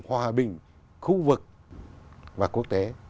hòa bình khu vực và quốc tế